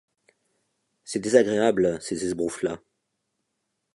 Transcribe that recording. C’est désagréable ces esbrouffes-là.